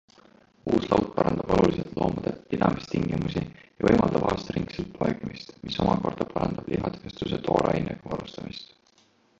Uus laut parandab oluliselt loomade pidamistingimusi ja võimaldab aastaringset poegimist, mis omakorda parandab lihatööstuse toorainega varustamist.